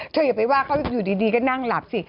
อย่าไปว่าเขาอยู่ดีก็นั่งหลับสิ